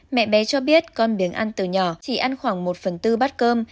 mẹ bé cho biết con điếng ăn từ nhỏ chỉ ăn khoảng một phần tư bát cơm